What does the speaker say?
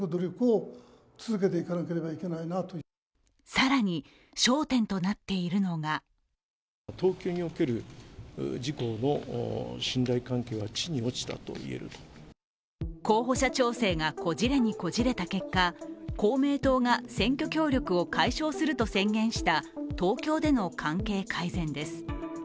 更に焦点となっているのが候補者調整がこじれにこじれた結果、公明党が選挙協力を解消すると宣言した東京での関係改善です。